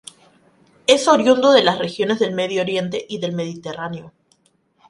Es oriundo de las regiones del Medio Oriente y del Mediterráneo.